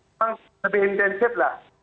memang lebih intensiflah